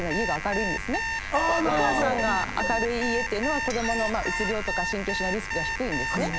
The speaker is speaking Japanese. お母さんが明るい家は子供のうつ病とか神経症のリスクが低いんですね。